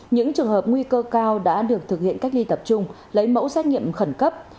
những trường hợp nguy cơ cao đã được thực hiện cách ly tập trung lấy mẫu xét nghiệm khẩn cấp